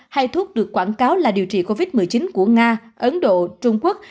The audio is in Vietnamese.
hay thuốc được quảng cáo là điều trị covid một mươi chín của nga ấn độ trung quốc